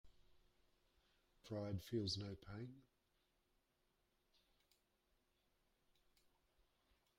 Pride feels no pain.